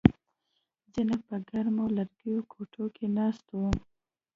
ځینې په ګرمو لرګیو کوټو کې ناست وي